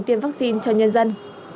tiêm vaccine cho nhân dân